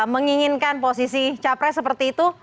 menginginkan posisi capres seperti itu